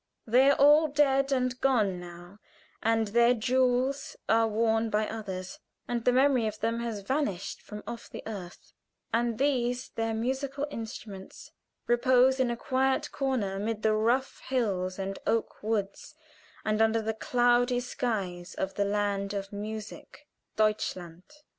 They are all dead and gone now, and their jewels are worn by others, and the memory of them has vanished from off the earth; and these, their musical instruments, repose in a quiet corner amid the rough hills and oak woods and under the cloudy skies of the land of music Deutschland.